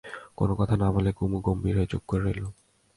কোনো কথা না বলে কুমু গম্ভীর হয়ে চুপ করে রইল।